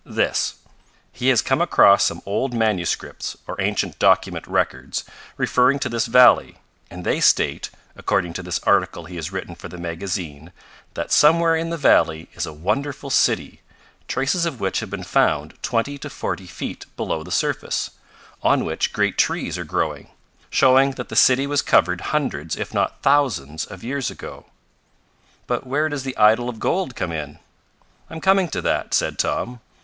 "This. He has come across some old manuscripts, or ancient document records, referring to this valley, and they state, according to this article he has written for the magazine, that somewhere in the valley is a wonderful city, traces of which have been found twenty to forty feet below the surface, on which great trees are growing, showing that the city was covered hundreds, if not thousands, of years ago." "But where does the idol of gold come in?" "I'm coming to that," said Tom.